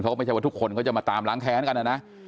ไม่ใช่ว่าทุกคนเขาจะมาตามล้างแค้นกันนะนะ